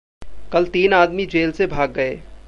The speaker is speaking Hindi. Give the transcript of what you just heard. कल तीन आदमी जेल से भाग गए।